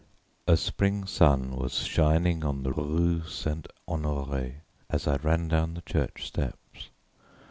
A spring sun was shining on the Rue St. Honoré, as I ran down the church steps.